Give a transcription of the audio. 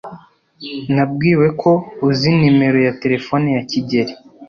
Nabwiwe ko uzi nimero ya terefone ya Kigeri.